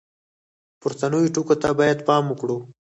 پورتنیو ټکو ته باید پام وکړو.